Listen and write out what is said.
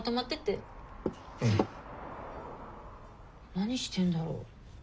何してんだろう？